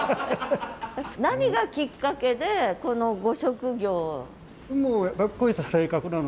何がきっかけでこのご職業。